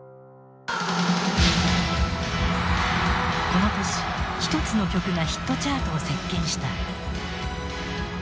この年一つの曲がヒットチャートを席けんした。